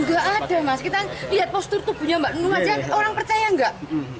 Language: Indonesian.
nggak ada mas kita lihat postur tubuhnya mbak nunung aja orang percaya nggak